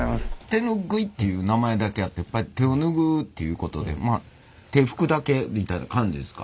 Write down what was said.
手ぬぐいっていう名前だけあってやっぱり手をぬぐうっていうことで手拭くだけみたいな感じですか？